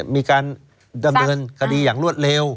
มีการดำเนินคดีอย่างรวดเร็ว